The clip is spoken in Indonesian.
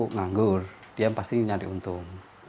nganggur dia pasti mencari untung